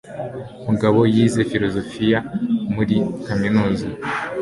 Mugabo yize filozofiya muri kaminuza.